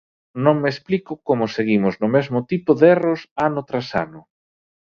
Non me explico como seguimos no mesmo tipo de erros ano tras ano.